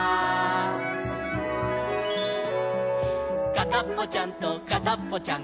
「かたっぽちゃんとかたっぽちゃん